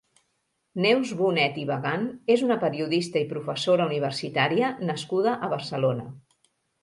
Neus Bonet i Bagant és una periodista i professora universitària nascuda a Barcelona.